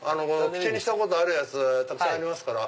口にしたことあるやつたくさんありますから。